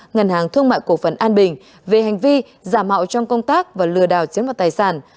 ngân hàng thương mại cổ phần an bình về hành vi giả mạo trong công tác và lừa đảo chiếm vào tài sản